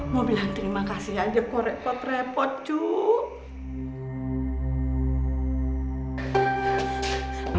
mau bilang terima kasih aja kok repot repot cuuuk